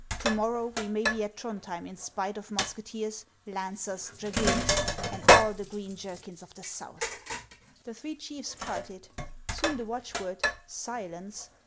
To morrow we may be at Throndhjem in spite of musketeers, lancers, dragoons, and all the green jerkins of the South." The three chiefs parted. Soon the watchword, " Silence